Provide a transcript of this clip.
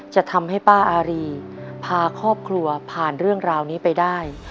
จะทำให้ป้าอารีพาครอบครัวผ่านเรื่องราวนี้ไปได้